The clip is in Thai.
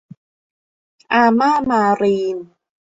อาม่า มารีน